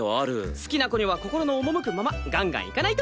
好きな子には心の赴くままガンガンいかないと。